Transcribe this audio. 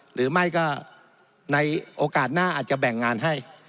หรือไม่ก็ในโอกาสหน้าอาจจะแบ่งงานให้